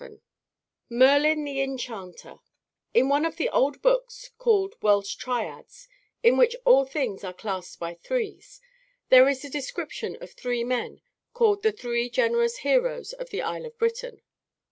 VII MERLIN THE ENCHANTER In one of the old books called Welsh Triads, in which all things are classed by threes, there is a description of three men called "The Three Generous Heroes of the Isle of Britain."